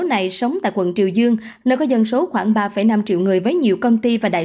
này sống tại quận triều dương nơi có dân số khoảng ba năm triệu người với nhiều công ty và đại